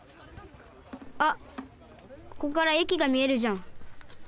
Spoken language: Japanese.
あっここからえきがみえるじゃん。